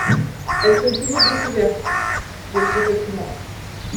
Elles sont toujours découvertes. — J’ai le pressentiment…